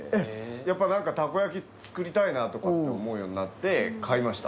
やっぱ何かたこ焼き作りたいなとかって思うようになって買いました